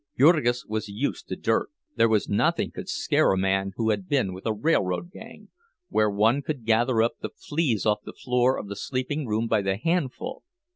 Jurgis was used to dirt—there was nothing could scare a man who had been with a railroad gang, where one could gather up the fleas off the floor of the sleeping room by the handful.